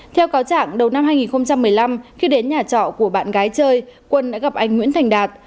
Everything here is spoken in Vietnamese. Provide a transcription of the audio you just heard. theo cáo trạng đầu năm hai nghìn một mươi năm khi đến nhà trọ của bạn gái chơi quân đã gặp anh nguyễn thành đạt